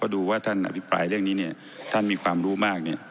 ดูว่าท่านอภิปรายเรื่องนี้เนี่ยท่านมีความรู้มาก